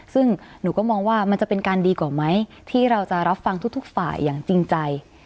ซึ่งหนูก็มองว่ามันจะเป็นการดีกว่าไหมที่เราจะรับฟังทุกฝ่ายอย่างจริงใจ